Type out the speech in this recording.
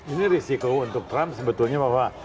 ini risiko untuk trump sebetulnya bahwa